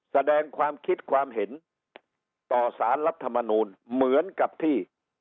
แสดงความคิดความเห็นต่อสารรัฐมนูลเหมือนกับที่